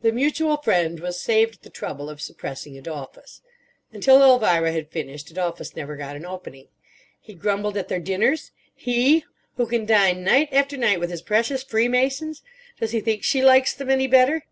The mutual friend was saved the trouble of suppressing Adolphus. Until Elvira had finished Adolphus never got an opening. He grumbled at their dinners. He! who can dine night after night with his precious Freemasons. Does he think she likes them any better?